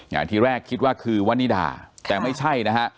อ่าทีแรกคิดว่าคือวันนิดาแต่ไม่ใช่นะฮะ